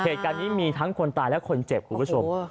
เหตุการณ์นี้มีทั้งคนตายและคนเจ็บคุณผู้ชม